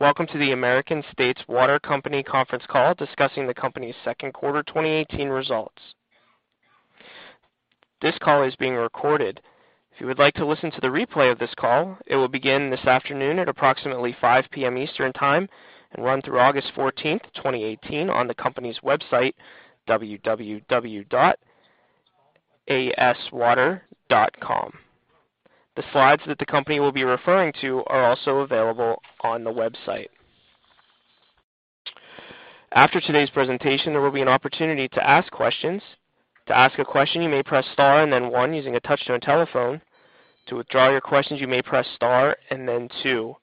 Welcome to the American States Water Company conference call discussing the company's second quarter 2018 results. This call is being recorded. If you would like to listen to the replay of this call, it will begin this afternoon at approximately 5:00 P.M. Eastern Time and run through August 14th, 2018 on the company's website, www.aswater.com. The slides that the company will be referring to are also available on the website. After today's presentation, there will be an opportunity to ask questions. To ask a question, you may press star and then one using a touch-tone telephone. To withdraw your questions, you may press star and then two.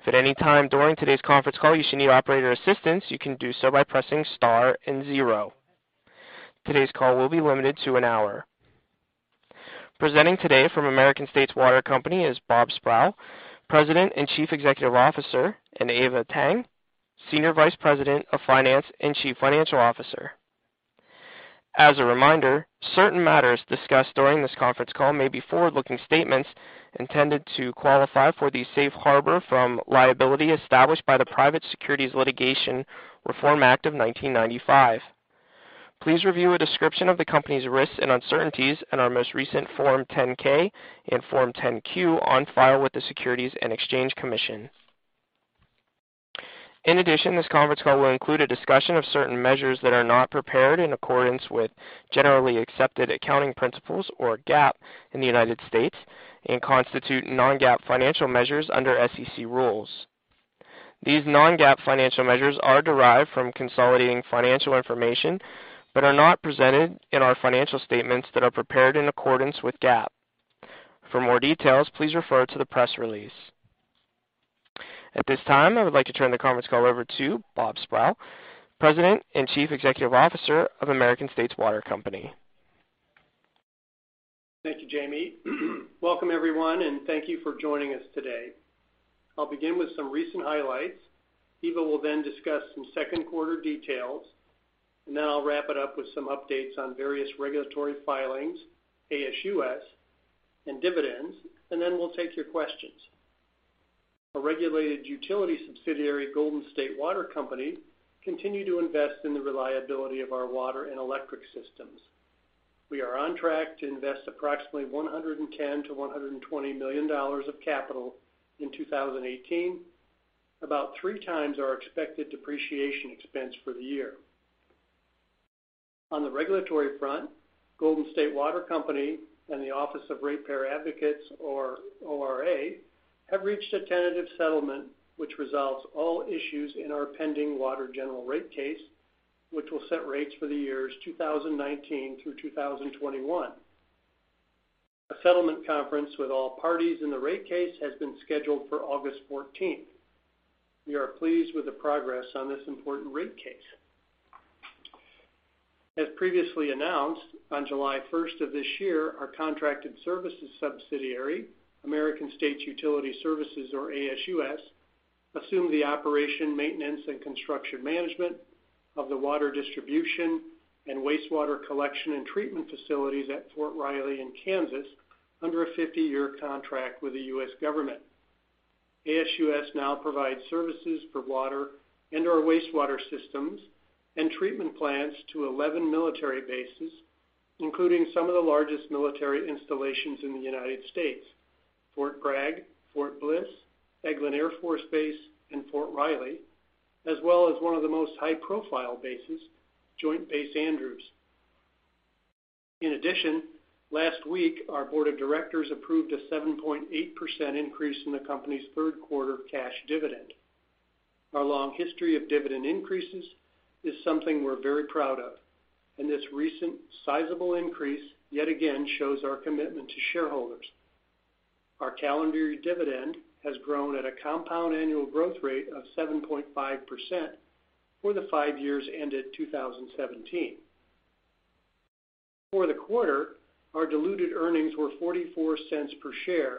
If at any time during today's conference call you should need operator assistance, you can do so by pressing star and zero. Today's call will be limited to an hour. Presenting today from American States Water Company is Bob Sprowls, President and Chief Executive Officer, and Eva Tang, Senior Vice President of Finance and Chief Financial Officer. As a reminder, certain matters discussed during this conference call may be forward-looking statements intended to qualify for the safe harbor from liability established by the Private Securities Litigation Reform Act of 1995. Please review a description of the company's risks and uncertainties in our most recent Form 10-K and Form 10-Q on file with the Securities and Exchange Commission. This conference call will include a discussion of certain measures that are not prepared in accordance with generally accepted accounting principles or GAAP in the United States and constitute non-GAAP financial measures under SEC rules. These non-GAAP financial measures are derived from consolidating financial information but are not presented in our financial statements that are prepared in accordance with GAAP. For more details, please refer to the press release. At this time, I would like to turn the conference call over to Bob Sprowls, President and Chief Executive Officer of American States Water Company. Thank you, Jamie. Welcome everyone, and thank you for joining us today. I'll begin with some recent highlights. Eva will then discuss some second quarter details, and then I'll wrap it up with some updates on various regulatory filings, ASUS, and dividends, and then we'll take your questions. Our regulated utility subsidiary, Golden State Water Company, continue to invest in the reliability of our water and electric systems. We are on track to invest approximately $110 million-$120 million of capital in 2018, about three times our expected depreciation expense for the year. On the regulatory front, Golden State Water Company and the Office of Ratepayer Advocates, or ORA, have reached a tentative settlement which resolves all issues in our pending water general rate case, which will set rates for the years 2019 through 2021. A settlement conference with all parties in the rate case has been scheduled for August 14th. We are pleased with the progress on this important rate case. As previously announced, on July 1st of this year, our contracted services subsidiary, American States Utility Services, or ASUS, assumed the operation, maintenance, and construction management of the water distribution and wastewater collection and treatment facilities at Fort Riley in Kansas under a 50-year contract with the U.S. government. ASUS now provides services for water and/or wastewater systems and treatment plants to 11 military bases, including some of the largest military installations in the U.S.: Fort Bragg, Fort Bliss, Eglin Air Force Base, and Fort Riley, as well as one of the most high-profile bases, Joint Base Andrews. In addition, last week, our board of directors approved a 7.8% increase in the company's third quarter cash dividend. Our long history of dividend increases is something we're very proud of. This recent sizable increase yet again shows our commitment to shareholders. Our calendar year dividend has grown at a compound annual growth rate of 7.5% for the five years ended 2017. For the quarter, our diluted earnings were $0.44 per share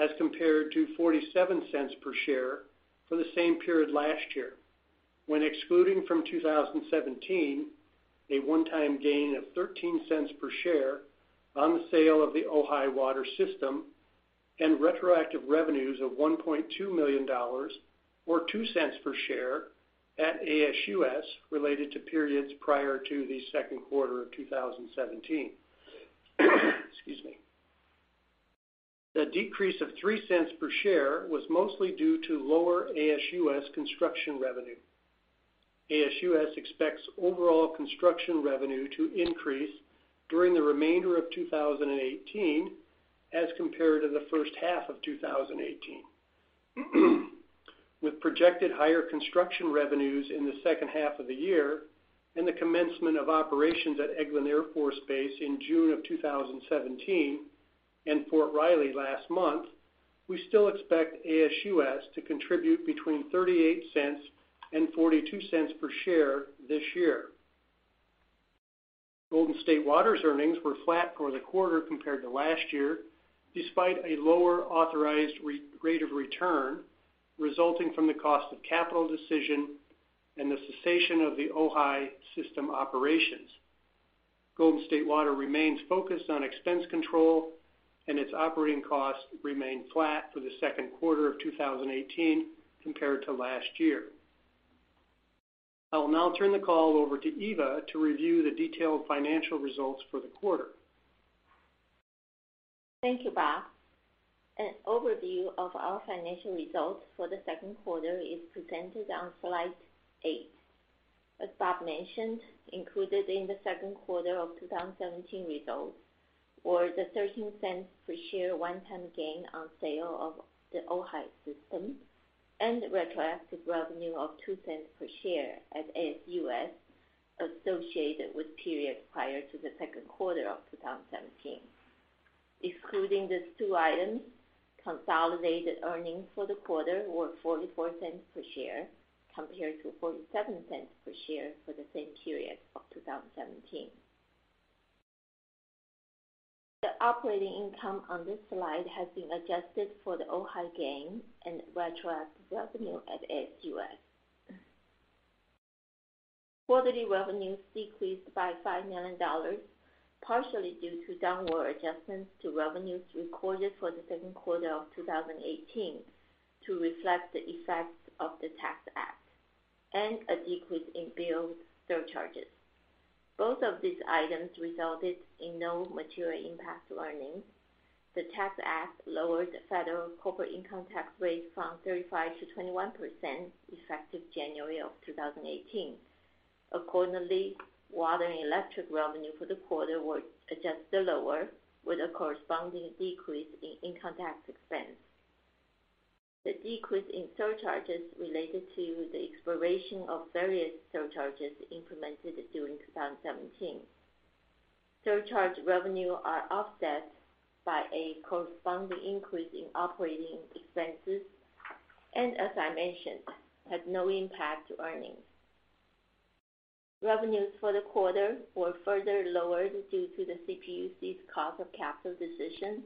as compared to $0.47 per share for the same period last year. When excluding from 2017 a one-time gain of $0.13 per share on the sale of the Ojai Water System and retroactive revenues of $1.2 million, or $0.02 per share at ASUS related to periods prior to the second quarter of 2017. Excuse me. The decrease of $0.03 per share was mostly due to lower ASUS construction revenue. ASUS expects overall construction revenue to increase during the remainder of 2018 as compared to the first half of 2018. With projected higher construction revenues in the second half of the year and the commencement of operations at Eglin Air Force Base in June of 2017 and Fort Riley last month, we still expect ASUS to contribute between $0.38 and $0.42 per share this year. Golden State Water's earnings were flat for the quarter compared to last year, despite a lower authorized rate of return resulting from the cost of capital decision and the cessation of the Ojai Water System operations. Golden State Water remains focused on expense control. Its operating costs remain flat for the second quarter of 2018 compared to last year. I will now turn the call over to Eva to review the detailed financial results for the quarter. Thank you, Bob. An overview of our financial results for the second quarter is presented on slide eight. As Bob mentioned, included in the second quarter of 2017 results were the $0.13 per share one-time gain on sale of the Ojai Water System. Retroactive revenue of $0.02 per share at ASUS associated with periods prior to the second quarter of 2017. Excluding these two items, consolidated earnings for the quarter were $0.44 per share, compared to $0.47 per share for the same period of 2017. The operating income on this slide has been adjusted for the Ojai Water System gain and retroactive revenue at ASUS. Quarterly revenues decreased by $5 million, partially due to downward adjustments to revenues recorded for the second quarter of 2018 to reflect the effects of the Tax Act. A decrease in billed surcharges. Both of these items resulted in no material impact to earnings. The Tax Act lowered the federal corporate income tax rate from 35% to 21%, effective January of 2018. Accordingly, water and electric revenue for the quarter were adjusted lower, with a corresponding decrease in income tax expense. The decrease in surcharges related to the expiration of various surcharges implemented during 2017. Surcharge revenue are offset by a corresponding increase in operating expenses, and as I mentioned, had no impact to earnings. Revenues for the quarter were further lowered due to the CPUC's cost of capital decision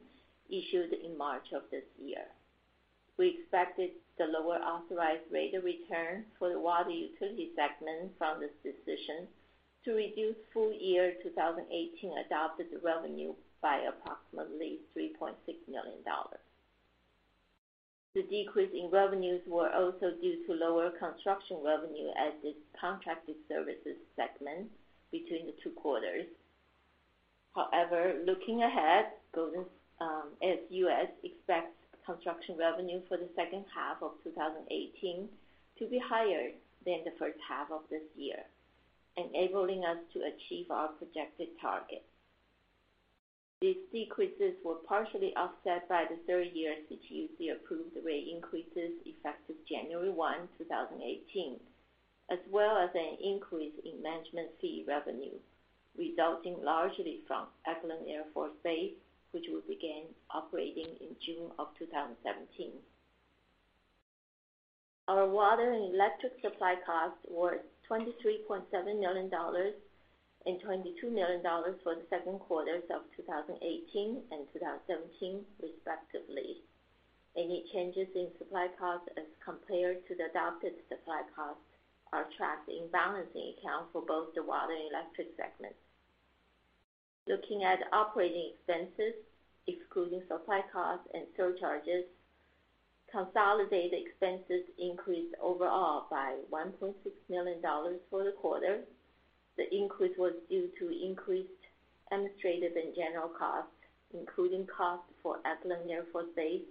issued in March of this year. We expected the lower authorized rate of return for the water utility segment from this decision to reduce full year 2018 adopted revenue by approximately $3.6 million. The decrease in revenues were also due to lower construction revenue at the contracted services segment between the two quarters. Looking ahead, ASUS expects construction revenue for the second half of 2018 to be higher than the first half of this year, enabling us to achieve our projected targets. These decreases were partially offset by the third-year CPUC-approved rate increases effective January 1, 2018, as well as an increase in management fee revenue, resulting largely from Eglin Air Force Base, which we began operating in June of 2017. Our water and electric supply costs were $23.7 million and $22 million for the second quarters of 2018 and 2017, respectively. Any changes in supply costs as compared to the adopted supply costs are tracked in balancing account for both the water and electric segments. Looking at operating expenses, excluding supply costs and surcharges, consolidated expenses increased overall by $1.6 million for the quarter. The increase was due to increased administrative and general costs, including costs for Eglin Air Force Base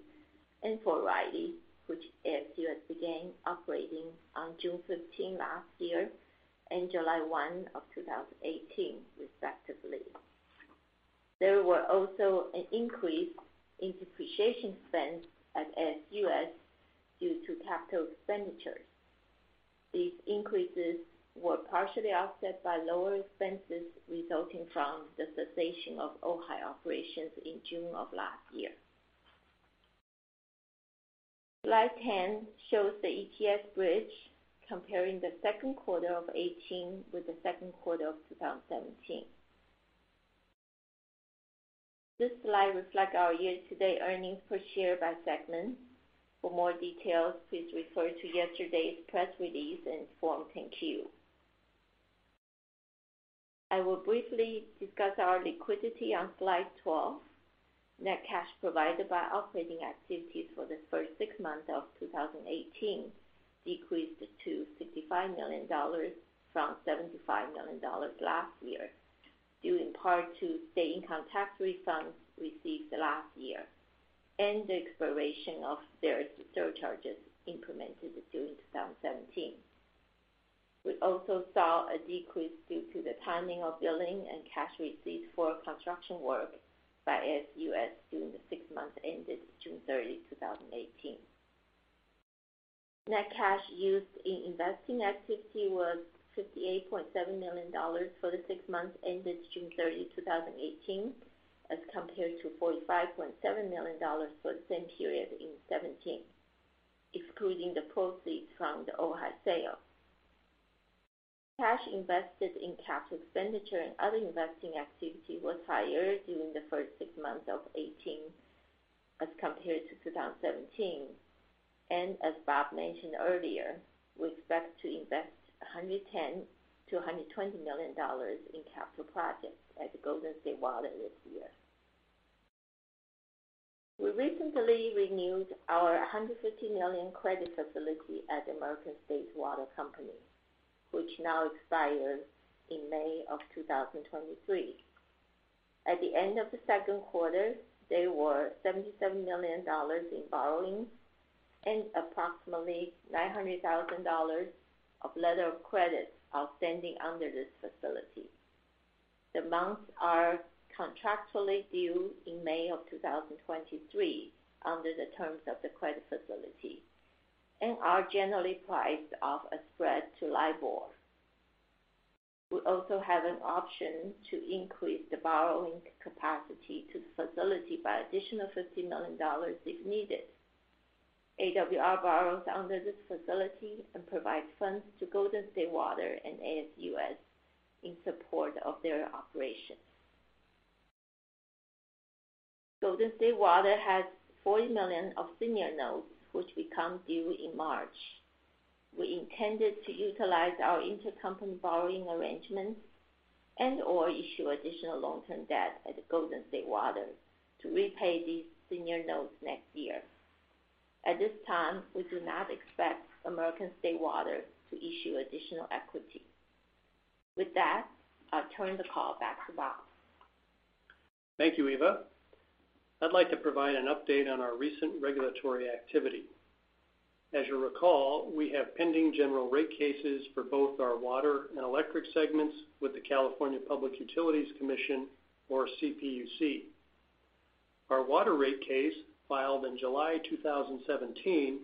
and Fort Riley, which ASUS began operating on June 15 last year and July 1 of 2018, respectively. There were also an increase in depreciation expense at ASUS due to capital expenditures. These increases were partially offset by lower expenses resulting from the cessation of Ojai operations in June of last year. Slide 10 shows the EPS bridge comparing the second quarter of 2018 with the second quarter of 2017. This slide reflects our year-to-date earnings per share by segment. For more details, please refer to yesterday's press release and Form 10-Q. I will briefly discuss our liquidity on slide 12. Net cash provided by operating activities for the first six months of 2018 decreased to $55 million from $75 million last year, due in part to state income tax refunds received last year and the expiration of various surcharges implemented during 2017. We also saw a decrease due to the timing of billing and cash received for construction work by ASUS during the six months ended June 30, 2018. Net cash used in investing activity was $58.7 million for the six months ended June 30, 2018, as compared to $45.7 million for the same period in 2017, excluding the proceeds from the Ojai sale. Cash invested in capital expenditure and other investing activity was higher during the first six months of 2018 as compared to 2017, and as Bob mentioned earlier, we expect to invest $110 million to $120 million in capital projects at Golden State Water this year. We recently renewed our $150 million credit facility at American States Water Company, which now expires in May 2023. At the end of the second quarter, there were $77 million in borrowings and approximately $900,000 of letter of credits outstanding under this facility. The amounts are contractually due in May 2023 under the terms of the credit facility and are generally priced off a spread to LIBOR. We also have an option to increase the borrowing capacity to the facility by additional $50 million if needed. AWR borrows under this facility and provides funds to Golden State Water and ASUS in support of their operations. Golden State Water has $40 million of senior notes, which become due in March. We intended to utilize our intercompany borrowing arrangements and/or issue additional long-term debt at Golden State Water to repay these senior notes next year. At this time, we do not expect American States Water to issue additional equity. With that, I'll turn the call back to Bob. Thank you, Eva. I'd like to provide an update on our recent regulatory activity. As you recall, we have pending general rate cases for both our water and electric segments with the California Public Utilities Commission or CPUC. Our water rate case, filed in July 2017,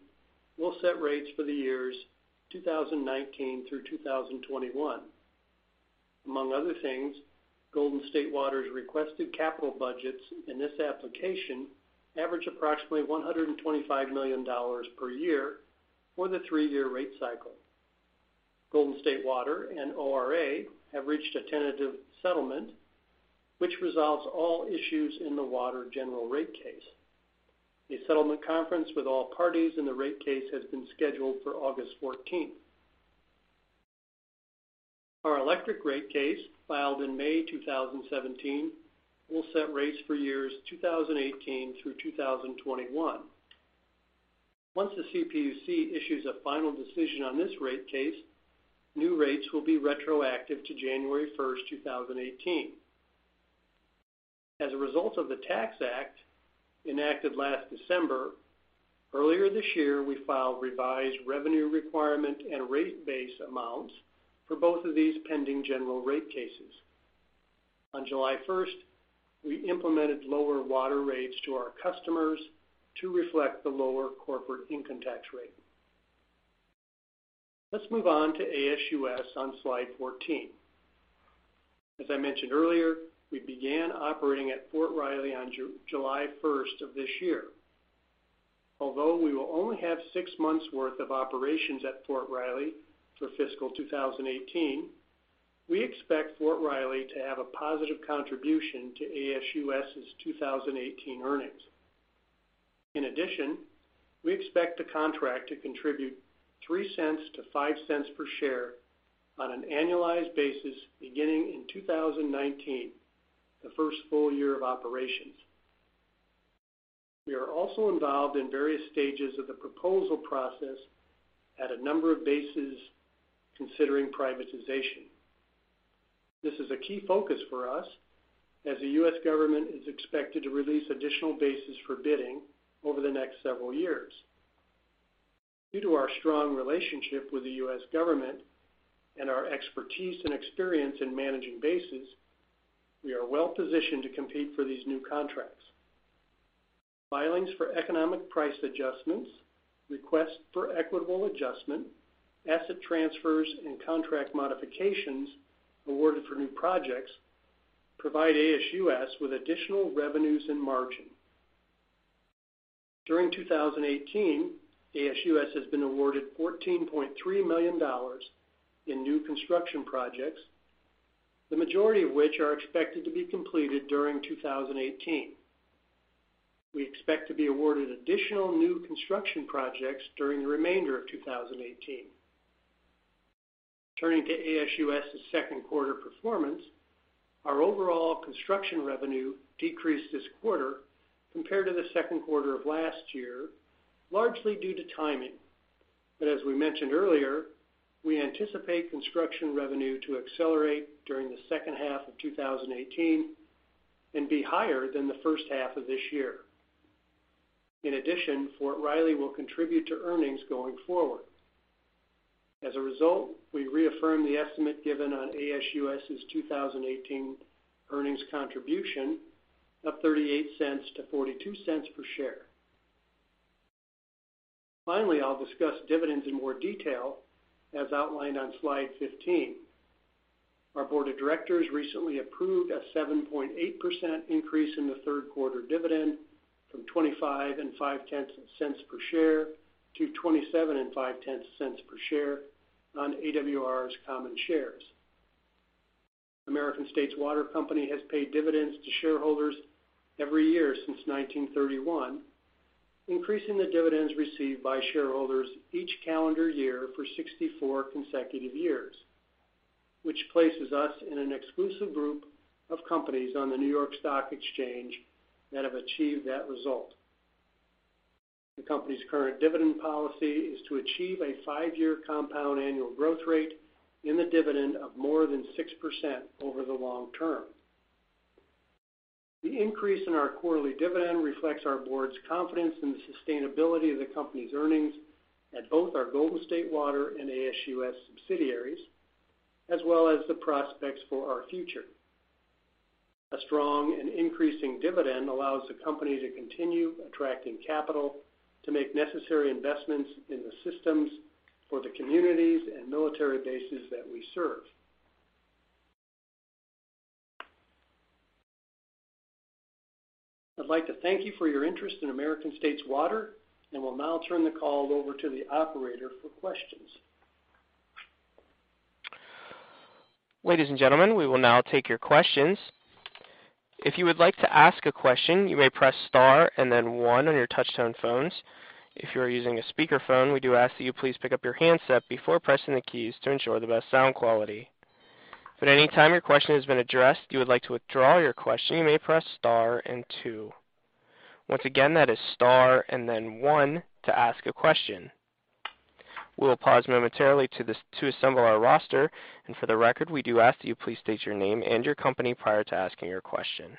will set rates for the years 2019 through 2021. Among other things, Golden State Water's requested capital budgets in this application average approximately $125 million per year for the three-year rate cycle. Golden State Water and ORA have reached a tentative settlement, which resolves all issues in the water general rate case. A settlement conference with all parties in the rate case has been scheduled for August 14th. Our electric rate case, filed in May 2017, will set rates for years 2018 through 2021. Once the CPUC issues a final decision on this rate case, new rates will be retroactive to January 1st, 2018. As a result of the Tax Act enacted last December, earlier this year, we filed revised revenue requirement and rate base amounts for both of these pending general rate cases. On July 1st, we implemented lower water rates to our customers to reflect the lower corporate income tax rate. Let's move on to ASUS on Slide 14. As I mentioned earlier, we began operating at Fort Riley on July 1st of this year. Although we will only have six months' worth of operations at Fort Riley for fiscal 2018, we expect Fort Riley to have a positive contribution to ASUS's 2018 earnings. In addition, we expect the contract to contribute $0.03-$0.05 per share on an annualized basis beginning in 2019, the first full year of operations. We are also involved in various stages of the proposal process at a number of bases considering privatization. This is a key focus for us as the U.S. government is expected to release additional bases for bidding over the next several years. Due to our strong relationship with the U.S. government and our expertise and experience in managing bases, we are well positioned to compete for these new contracts. Filings for economic price adjustments, requests for equitable adjustment, asset transfers, and contract modifications awarded for new projects provide ASUS with additional revenues and margin. During 2018, ASUS has been awarded $14.3 million in new construction projects, the majority of which are expected to be completed during 2018. We expect to be awarded additional new construction projects during the remainder of 2018. Turning to ASUS's second quarter performance, our overall construction revenue decreased this quarter compared to the second quarter of last year, largely due to timing. As we mentioned earlier, we anticipate construction revenue to accelerate during the second half of 2018 and be higher than the first half of this year. In addition, Fort Riley will contribute to earnings going forward. As a result, we reaffirm the estimate given on ASUS's 2018 earnings contribution of $0.38-$0.42 per share. Finally, I'll discuss dividends in more detail as outlined on Slide 15. Our board of directors recently approved a 7.8% increase in the third quarter dividend from $0.255 per share to $0.275 per share on AWR's common shares. American States Water Company has paid dividends to shareholders every year since 1931, increasing the dividends received by shareholders each calendar year for 64 consecutive years, which places us in an exclusive group of companies on the New York Stock Exchange that have achieved that result. The company's current dividend policy is to achieve a five-year compound annual growth rate in the dividend of more than 6% over the long term. The increase in our quarterly dividend reflects our board's confidence in the sustainability of the company's earnings at both our Golden State Water and ASUS subsidiaries, as well as the prospects for our future. A strong and increasing dividend allows the company to continue attracting capital to make necessary investments in the systems for the communities and military bases that we serve. I'd like to thank you for your interest in American States Water, and will now turn the call over to the operator for questions. Ladies and gentlemen, we will now take your questions. If you would like to ask a question, you may press star and then one on your touchtone phones. If you are using a speakerphone, we do ask that you please pick up your handset before pressing the keys to ensure the best sound quality. If at any time your question has been addressed, or you would like to withdraw your question, you may press star and two. Once again, that is star and then one to ask a question. We'll pause momentarily to assemble our roster. For the record, we do ask that you please state your name and your company prior to asking your question.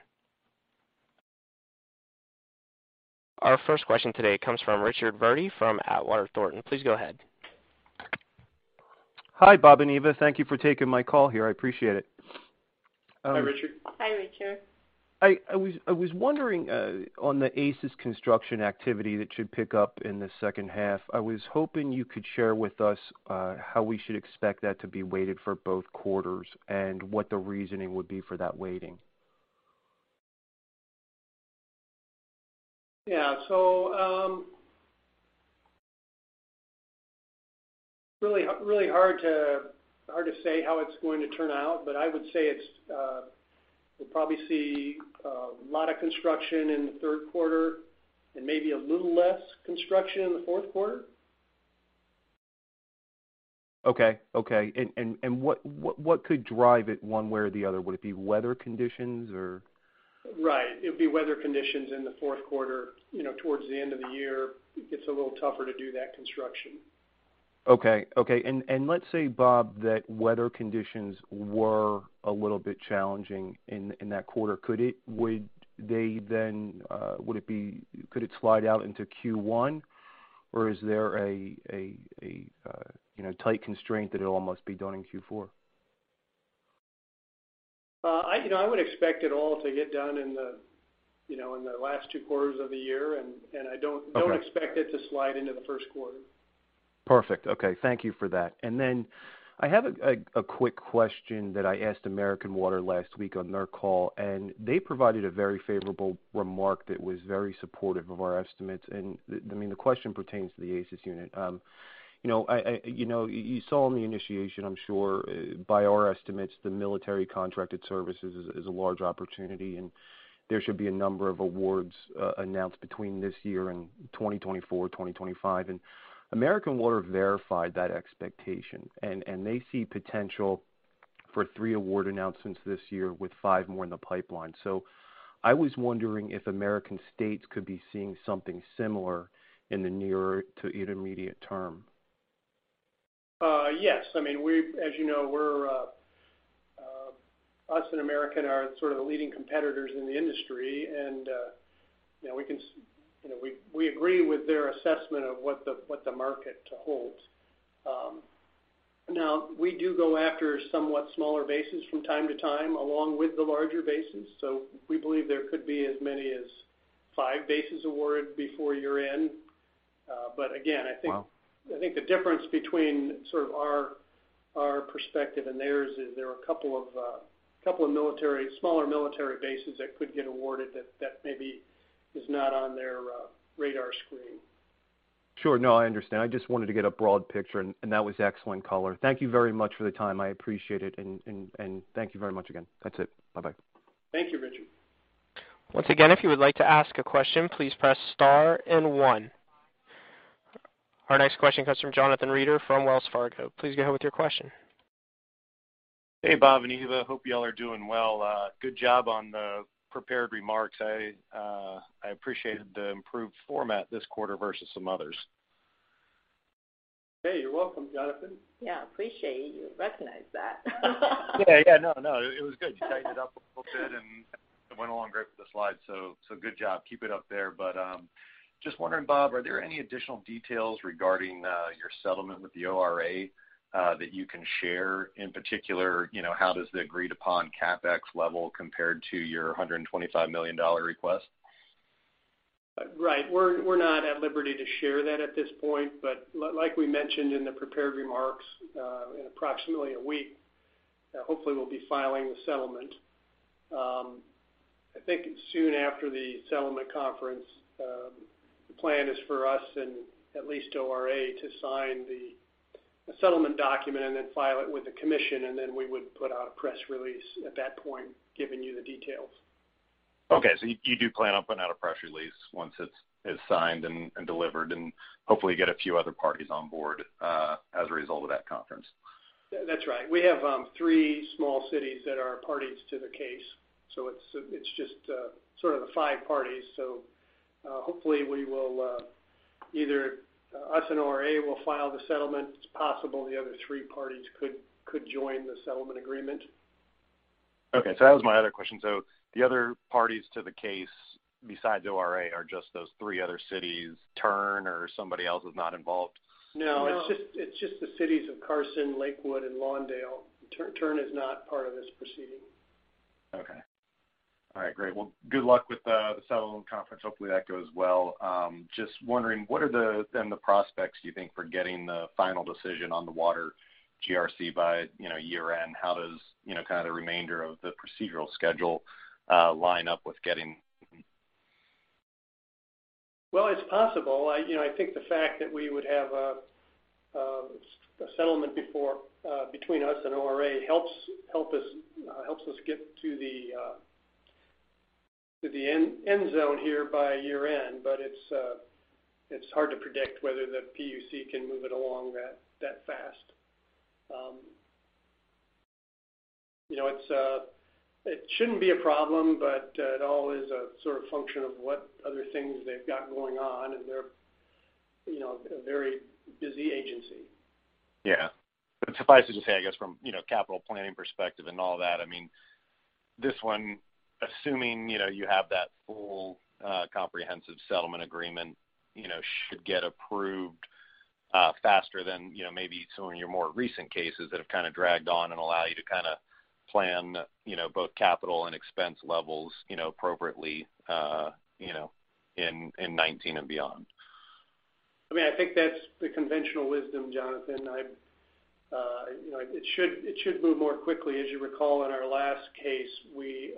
Our first question today comes from Richard Verdi from Atwater Thornton. Please go ahead. Hi, Bob and Eva. Thank you for taking my call here. I appreciate it. Hi, Richard. Hi, Richard. I was wondering on the ASUS construction activity that should pick up in the second half, I was hoping you could share with us how we should expect that to be weighted for both quarters and what the reasoning would be for that weighting. Yeah. Really hard to say how it's going to turn out, but I would say we'll probably see a lot of construction in the third quarter and maybe a little less construction in the fourth quarter. Okay. What could drive it one way or the other? Would it be weather conditions or? Right. It'd be weather conditions in the fourth quarter. Towards the end of the year, it gets a little tougher to do that construction. Okay. Let's say, Bob, that weather conditions were a little bit challenging in that quarter. Could it slide out into Q1 or is there a tight constraint that it all must be done in Q4? I would expect it all to get done in the last two quarters of the year. Okay I don't expect it to slide into the first quarter. Perfect. Okay. Thank you for that. I have a quick question that I asked American Water last week on their call, they provided a very favorable remark that was very supportive of our estimates. The question pertains to the ASUS unit. You saw in the initiation, I'm sure, by our estimates, the military contracted services is a large opportunity, there should be a number of awards announced between this year and 2024, 2025. American Water verified that expectation, and they see potential for three award announcements this year with five more in the pipeline. I was wondering if American States could be seeing something similar in the nearer to intermediate term. Yes. As you know, us and American are sort of the leading competitors in the industry, we agree with their assessment of what the market holds. Now, we do go after somewhat smaller bases from time to time, along with the larger bases. We believe there could be as many as five bases awarded before year-end. Wow I think the difference between our perspective and theirs is there are a couple of smaller military bases that could get awarded that maybe is not on their radar screen. Sure. No, I understand. I just wanted to get a broad picture, and that was excellent color. Thank you very much for the time. I appreciate it, and thank you very much again. That's it. Bye-bye. Thank you, Richard. Once again, if you would like to ask a question, please press star and one. Our next question comes from Jonathan Reeder from Wells Fargo. Please go ahead with your question. Hey, Bob and Eva. Hope you all are doing well. Good job on the prepared remarks. I appreciated the improved format this quarter versus some others. Hey, you're welcome, Jonathan. Yeah, appreciate you recognize that. Yeah. No, it was good. You tightened it up a little bit, and it went along great with the slides, so good job. Keep it up there. Just wondering, Bob, are there any additional details regarding your settlement with the ORA that you can share, in particular, how does the agreed upon CapEx level compare to your $125 million request? Right. We're not at liberty to share that at this point, but like we mentioned in the prepared remarks, in approximately a week, hopefully we'll be filing the settlement I think soon after the settlement conference, the plan is for us and at least ORA to sign the settlement document and then file it with the commission, and then we would put out a press release at that point, giving you the details. Okay. You do plan on putting out a press release once it's signed and delivered, and hopefully you get a few other parties on board as a result of that conference. That's right. We have three small cities that are parties to the case. It's just sort of the five parties. Hopefully either us and ORA will file the settlement. It's possible the other three parties could join the settlement agreement. Okay. That was my other question. The other parties to the case besides ORA are just those three other cities, TURN or somebody else is not involved? No. No. It's just the cities of Carson, Lakewood, and Lawndale. TURN is not part of this proceeding. Okay. All right, great. Well, good luck with the settlement conference. Hopefully, that goes well. Just wondering, what are then the prospects, do you think, for getting the final decision on the water GRC by year-end? How does the remainder of the procedural schedule line up with getting Well, it's possible. I think the fact that we would have a settlement between us and ORA helps us get to the end zone here by year-end, but it's hard to predict whether the PUC can move it along that fast. It shouldn't be a problem, but it all is a function of what other things they've got going on, and they're a very busy agency. Yeah. Suffice it to say, I guess from capital planning perspective and all that, this one, assuming you have that full comprehensive settlement agreement, should get approved faster than maybe some of your more recent cases that have dragged on and allow you to plan both capital and expense levels appropriately in 2019 and beyond. I think that's the conventional wisdom, Jonathan. It should move more quickly. As you recall, in our last case, we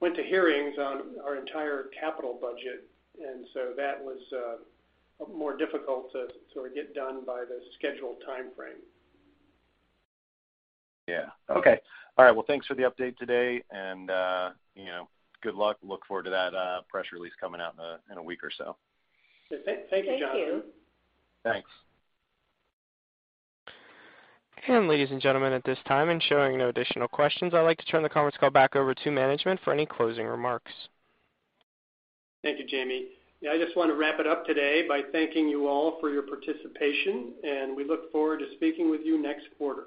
went to hearings on our entire capital budget, so that was more difficult to sort of get done by the scheduled timeframe. Yeah. Okay. All right. Well, thanks for the update today, and good luck. Look forward to that press release coming out in a week or so. Thank you, Jonathan. Thank you. Thanks. Ladies and gentlemen, at this time, and showing no additional questions, I'd like to turn the conference call back over to management for any closing remarks. Thank you, Jamie. Yeah, I just want to wrap it up today by thanking you all for your participation, and we look forward to speaking with you next quarter.